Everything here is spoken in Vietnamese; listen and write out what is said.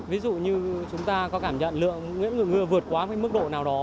ví dụ như chúng ta có cảm nhận ngưỡng lượng mưa vượt quá mức độ nào đó